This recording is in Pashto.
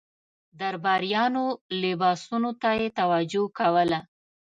درباریانو لباسونو ته یې توجه کوله.